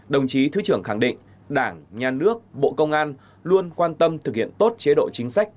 đồng chí thứ trưởng khẳng định đảng nhà nước bộ công an luôn quan tâm thực hiện tốt chế độ chính sách